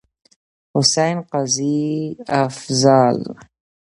حسين، قاضي افضال.